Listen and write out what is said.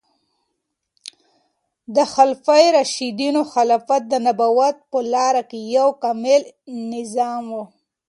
د خلفای راشدینو خلافت د نبوت په لاره یو کامل نظام و.